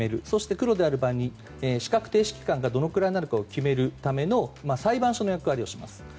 そしてクロだった場合資格停止期間がどのぐらいかを決める裁判所のような役割をします。